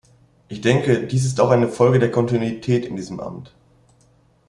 Ich denke, dies ist auch eine Folge der Kontinuität in diesem Amt.